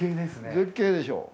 絶景でしょ。